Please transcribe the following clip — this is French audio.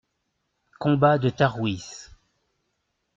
Combat de Tarwis.